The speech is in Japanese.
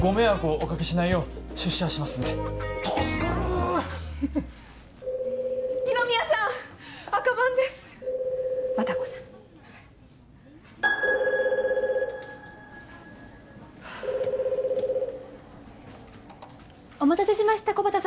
お待たせしました木幡様。